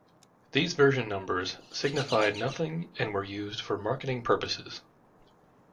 These version numbers signified nothing and were used for marketing purposes.